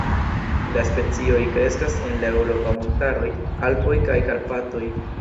La specioj kreskas en la eŭropa montaroj Alpoj kaj Karpatoj.